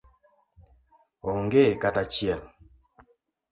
Onge kata achiel.